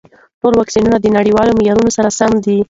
ټول واکسینونه د نړیوالو معیارونو سره سم دي.